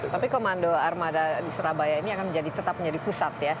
tapi komando armada di surabaya ini akan tetap menjadi pusat ya